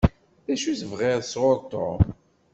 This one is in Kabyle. D acu i tebɣiḍ sɣur Tom?